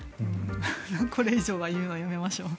これ以上は言うのはやめましょう。